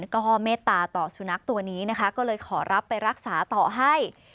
ก็เมตตาต่อสุนัขตัวนี้นะคะก็เลยขอรับไปรักษาต่อให้